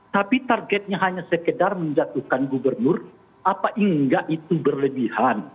tapi targetnya hanya sekedar menjatuhkan gubernur apakah itu berlebihan